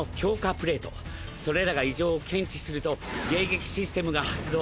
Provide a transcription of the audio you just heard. プレートそれらが異常を検知すると迎撃システムが発動。